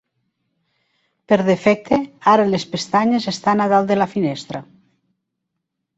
Per defecte, ara les pestanyes estan a dalt de la finestra.